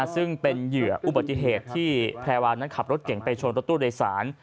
ซึ่งเป็นเหยื่ออุบัติเหตุที่แพรวานั้นขับรถเก่งไปชนรถตู้โดยสาร